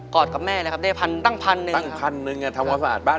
อดกับแม่เลยครับได้พันตั้งพันหนึ่งตั้งพันหนึ่งทำความสะอาดบ้าน